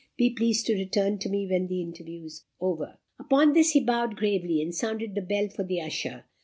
Be pleased to return to me when the interview is over." Upon this, he bowed gravely, and sounded the bell for the usher.